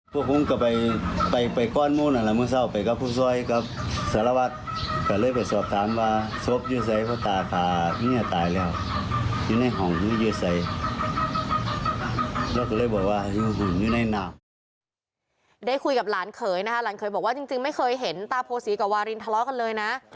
คุยกับหลานเขยนะคะหลานเขยบอกว่าจริงไม่เคยเห็นตาโพศีกับวารินทะเลาะกันเลยนะ